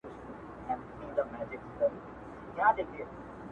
ته خبر نه يي چې د لمـــــــــر تر پرېـــوتو وي سیوری